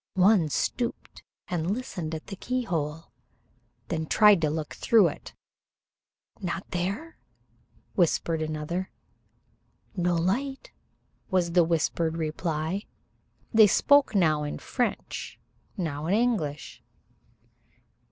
One stooped and listened at the keyhole, then tried to look through it. "Not there?" whispered another. "No light," was the whispered reply. They spoke now in French, now in English.